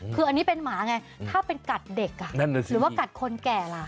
คืออันนี้เป็นหมาไงถ้าเป็นกัดเด็กหรือว่ากัดคนแก่ล่ะ